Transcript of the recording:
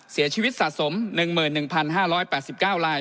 เสียชีวิตสะสม๑๑๕๘๙ลาย